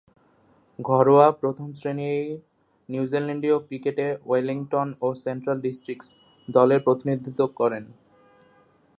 ঘরোয়া প্রথম-শ্রেণীর নিউজিল্যান্ডীয় ক্রিকেটে ওয়েলিংটন ও সেন্ট্রাল ডিস্ট্রিক্টস দলের প্রতিনিধিত্ব করেন।